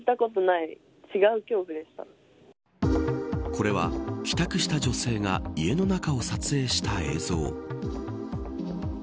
これは帰宅した女性が家の中を撮影した映像。